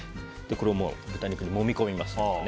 これを豚肉にもみ込みます。